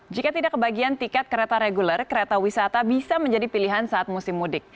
jika tidak kebagian tiket kereta reguler kereta wisata bisa menjadi pilihan saat musim mudik